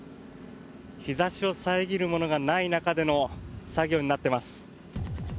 日差しを遮るものがない中での作業になっています。